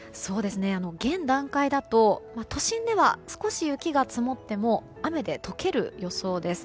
現段階だと都心では、少し雪が積もっても雨で解ける予想です。